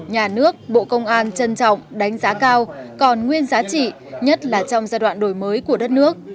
nhà nước bộ công an trân trọng đánh giá cao còn nguyên giá trị nhất là trong giai đoạn đổi mới của đất nước